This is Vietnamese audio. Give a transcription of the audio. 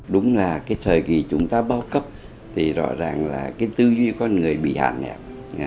đúng là cái thời kỳ chúng ta bao cấp thì rõ ràng là cái tư duy con người bị hạn hẹp